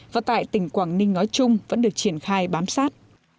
và tại tỉnh quảng ninh nói chung vẫn được triển khai bám sát